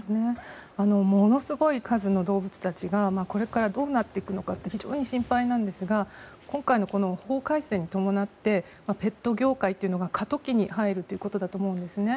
ものすごい数の動物たちがこれからどうなっていくのか非常に心配ですが今回の法改正に伴ってペット業界というのが過渡期に入るということだと思います。